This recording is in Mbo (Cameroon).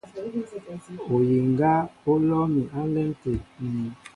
Oyiŋga ó lɔ́ɔ́ mi á ǹlɛ́m tê.